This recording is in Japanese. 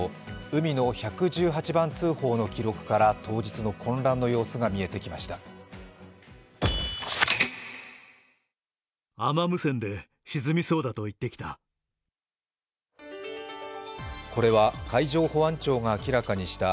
海の１１８番通報の記録から当日の混乱の様子が見えてきました。